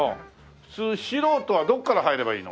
普通素人はどこから入ればいいの？